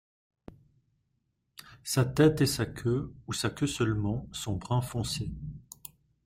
Sa tête et sa queue, ou sa queue seulement, sont brun foncé.